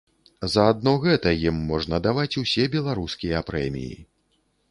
За адно гэта ім можна даваць усе беларускія прэміі!